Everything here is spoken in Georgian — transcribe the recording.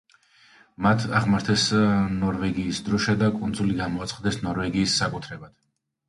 მათ აღმართეს ნორვეგიის დროშა და კუნძული გამოაცხადეს ნორვეგიის საკუთრებად.